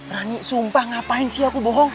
rani sumpah ngapain sih aku bohong